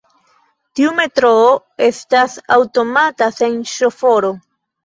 Tiu metroo estas aŭtomata, sen ŝoforo.